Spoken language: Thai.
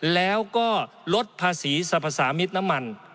แล้วก็ลดภาษีสรรพสามิตรน้ำมัน